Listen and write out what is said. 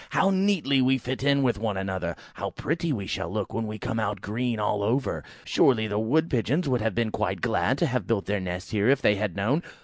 How neatly we fit in one with the other! How pretty we shall look when we come out green all over! Surely the Wood pigeons would have been quite glad to have built their nests here if they had known.